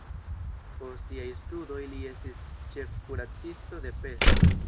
Post siaj studoj li estis ĉefkuracisto de Pest.